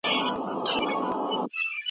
پښتو ته په اوسني عصر کې د خدمت لارې چارې ولټوئ.